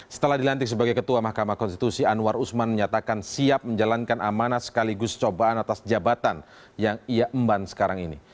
setelah dilantik sebagai ketua mahkamah konstitusi anwar usman menyatakan siap menjalankan amanah sekaligus cobaan atas jabatan yang ia emban sekarang ini